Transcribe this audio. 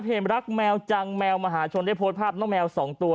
เหตุรักแมวจังแมวมหาชนได้โพสต์ภาพน้องแมว๒ตัว